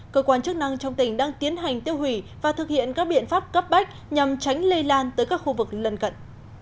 cơ quan chức năng trong tỉnh đang tiến hành tiêu hủy và thực hiện các biện pháp cấp bách nhằm tránh lây lan tới các khu vực lân cận